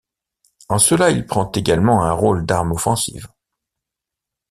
En cela, il prend également un rôle d'arme offensive.